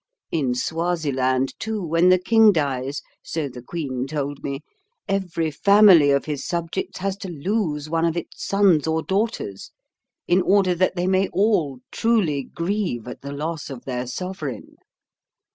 In Swaziland, too, when the king dies, so the queen told me, every family of his subjects has to lose one of its sons or daughters, in order that they may all truly grieve at the loss of their sovereign.